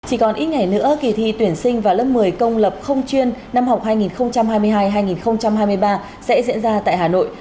chỉ còn ít ngày nữa kỳ thi tuyển sinh vào lớp một mươi công lập không chuyên năm học hai nghìn hai mươi hai hai nghìn hai mươi ba sẽ diễn ra tại hà nội